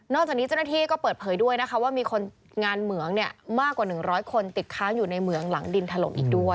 จากนี้เจ้าหน้าที่ก็เปิดเผยด้วยนะคะว่ามีคนงานเหมืองมากกว่า๑๐๐คนติดค้างอยู่ในเหมืองหลังดินถล่มอีกด้วย